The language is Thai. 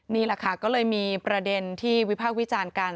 นี่แหละค่ะก็เลยมีประเด็นที่วิพากษ์วิจารณ์กัน